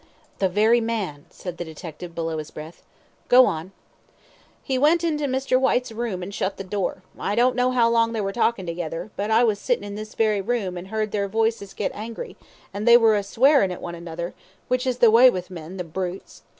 "The very man," said the detective below his breath; "go on." "He went into Mr. Whyte's room, an' shut the door. I don't know how long they were talkin' together; but I was sittin' in this very room and heard their voices git angry, and they were a swearin' at one another, which is the way with men, the brutes.